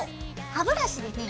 歯ブラシでね